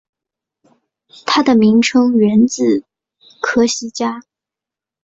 它的名称源自科西嘉。